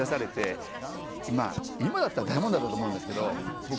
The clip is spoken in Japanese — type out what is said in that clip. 今だったら大問題だと思うんですけど僕。